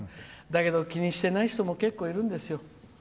だけど、気にしてない人も結構、いるんですよ。